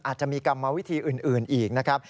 อาจจะมีกรรมวิธีอื่นอีกนะครับ